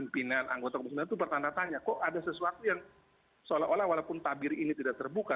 pimpinan anggota komisi sembilan itu bertanda tanya kok ada sesuatu yang seolah olah walaupun tabir ini tidak terbuka